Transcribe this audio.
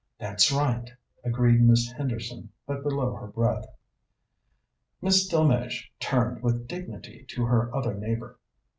"That's right," agreed Miss Henderson, but below her breath. Miss Delmege turned with dignity to her other neighbour.